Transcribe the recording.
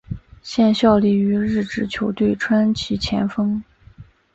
现效力于日职球队川崎前锋。